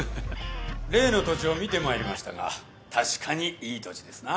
例の土地を見てまいりましたが確かにいい土地ですな。